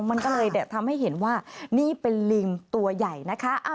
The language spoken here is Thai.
มันก็เลยทำให้เห็นว่านี่เป็นลิงตัวใหญ่นะคะ